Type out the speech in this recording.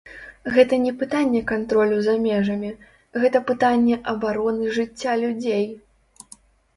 Гэта не пытанне кантролю за межамі, гэта пытанне абароны жыцця людзей.